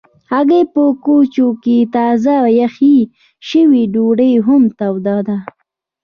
هګۍ په کوچو کې تازه پخې شوي ډوډۍ هم توده ده.